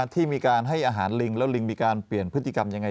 ที่มีการให้อาหารลิงแล้วลิงมีการเปลี่ยนพฤติกรรมยังไง